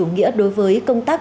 nghĩa đối với công tác